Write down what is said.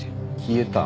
消えた？